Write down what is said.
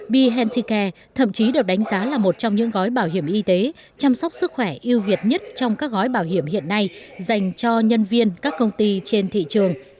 bihecare thậm chí được đánh giá là một trong những gói bảo hiểm y tế chăm sóc sức khỏe ưu việt nhất trong các gói bảo hiểm hiện nay dành cho nhân viên các công ty trên thị trường